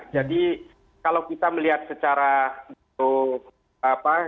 jadi kalau kita melihat secara untuk